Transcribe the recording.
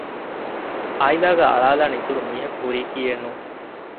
އައިލާގައި އަޅާލާނެ އިތުރު މީހަކު ހުރިކީއެއްނޫން